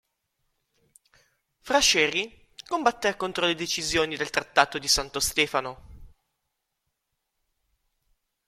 Frashëri combatté contro le decisioni del Trattato di Santo Stefano.